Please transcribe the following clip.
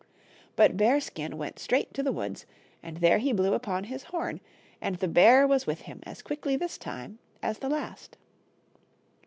But Bearskin went straight to the woods, and there he blew upon his horn, and the bear was with him as quickly this time as the last.